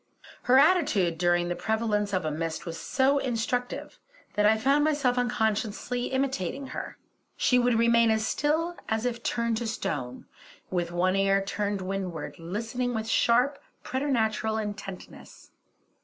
Her attitude during the prevalence of a mist was so instructive, that I found myself unconsciously imitating her. She would remain as still as if turned to stone, with one ear to windward, listening with sharp, preternatural intentness.